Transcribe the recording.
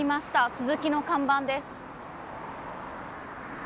スズキの看板です。